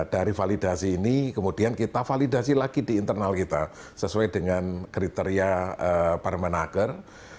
dari validasi ini kemudian kita validasi lagi di internal kita sesuai dengan kriteria permenaker